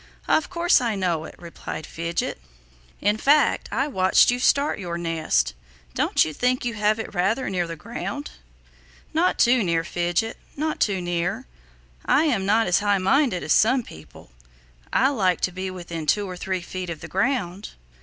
"Of course I know it," replied Fidget. "In fact I watched you start your nest. Don't you think you have it rather near the ground?" "Not too near, Fidget; not too near. I am not as high minded as some people. I like to be within two or three feet of the ground."